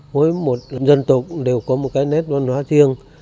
mỗi một dân tộc đều có một cái nét văn hóa riêng